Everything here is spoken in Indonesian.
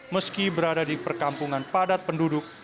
meski berada di perkampungan padat penduduk